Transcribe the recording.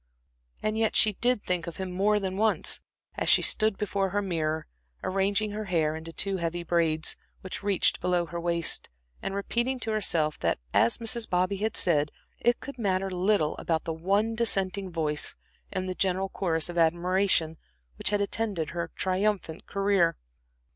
And yet she did think of him more than once, as she stood before her mirror, arranging her hair into two heavy braids, which reached below her waist, and repeating to herself that, as Mrs. Bobby had said, it could matter little about the one dissenting voice in the general chorus of admiration which had attended her triumphant career.